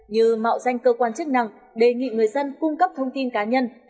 như mạo danh cơ quan chức năng đề nghị người dân cung cấp thông tin cá nhân